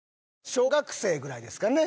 小学生ぐらいですかね